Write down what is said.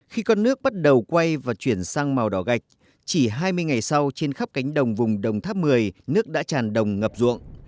khi con nước bắt đầu quay và chuyển sang màu đỏ gạch chỉ hai mươi ngày sau trên khắp cánh đồng vùng đồng tháp một mươi nước đã tràn đồng ngập ruộng